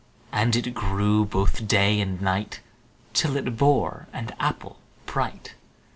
And it grew both day and night, Till it bore an apple bright.